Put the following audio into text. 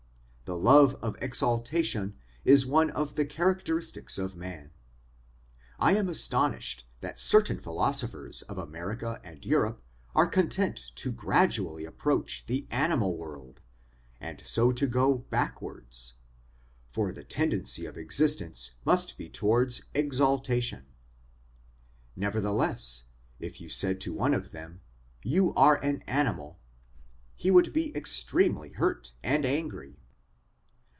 The love of exaltation is one of the characteristics of man. I am astonished that certain philosophers of America and Europe are content to gradually approach the animal world, and so to go backwards; for the tendency of existence must be towards exaltation. Nevertheless, if you said to one of them, You are an animal he would be extremely hurt and angry.